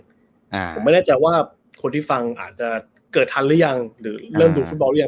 อ่าผมไม่แน่ใจว่าคนที่ฟังอาจจะเกิดทันหรือยังหรือเริ่มดูฟุตบอลหรือยัง